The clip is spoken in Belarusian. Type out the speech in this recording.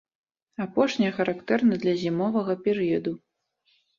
Апошняе характэрна для зімовага перыяду.